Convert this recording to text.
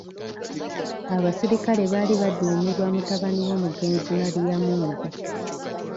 Abaserikale baali badduumirwa mutabani w'omugenzi Maliyamungu.